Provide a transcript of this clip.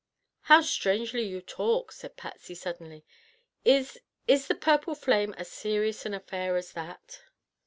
"How strangely you talk," said Patsy suddenly. "Is—is the purple flame as serious an affair as that?"